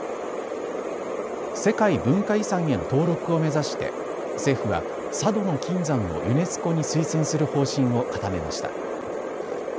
世界文化遺産への登録を目指して政府は佐渡島の金山をユネスコに推薦する方針を固めました。